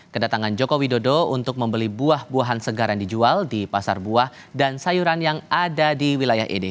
kedatangan joko widodo untuk membeli buah buahan segar yang dijual di pasar buah dan sayuran yang ada di wilayah ini